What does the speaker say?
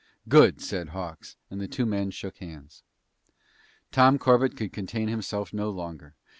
"Good!" said Hawks and the two men shook hands. Tom Corbett could contain himself no longer.